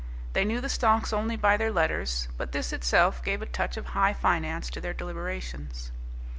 They knew the stocks only by their letters, but this itself gave a touch of high finance to their deliberations.